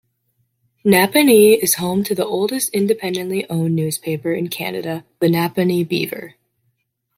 Napanee is home to the oldest independently owned newspaper in Canada, "The Napanee Beaver".